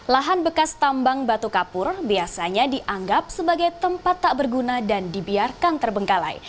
lahan bekas tambang batu kapur biasanya dianggap sebagai tempat tak berguna dan dibiarkan terbengkalai